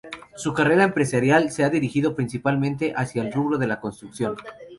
Su carrera empresarial se ha dirigido principalmente hacia el rubro de la construcción.